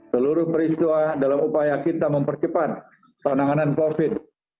seluruh peristiwa dalam upaya kita mempercepat penanganan covid